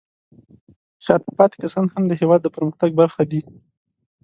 شاته پاتې کسان هم د هېواد د پرمختګ برخه دي.